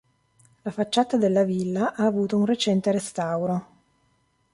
La facciata della villa ha avuto un recente restauro.